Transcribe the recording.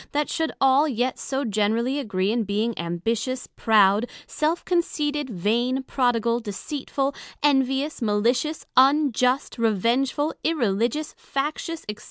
they should all yet so generally agree in being Ambitious, Proud, Self conceited, Vain, Prodigal, Deceitful, Envious, Malicious, Unjust, Revengeful, Irreligious, Factious, &c.